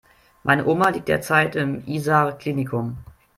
Meine Oma liegt derzeit im Isar Klinikum.